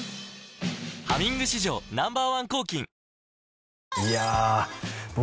「ハミング」史上Ｎｏ．１抗菌いや僕